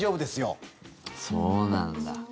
そうなんだ。